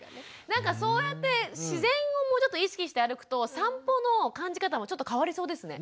なんかそうやって自然をもうちょっと意識して歩くと散歩の感じ方もちょっと変わりそうですね。